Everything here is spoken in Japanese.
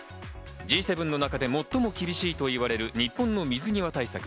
Ｇ７の中で最も厳しいといわれる日本の水際対策。